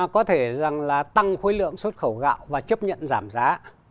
có thể rằng là tăng khối lượng xuất khẩu gạo và chấp nhận giảm giá